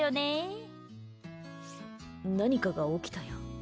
何かが起きたやん。